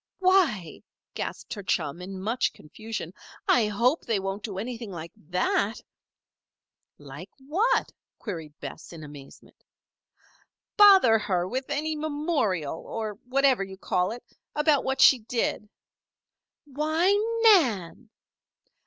"Why!" gasped her chum, in much confusion, "I hope they won't do anything like that." "Like what?" queried Bess, in amazement. "Bother her with any memorial or whatever you call it about what she did." "Why, Nan!"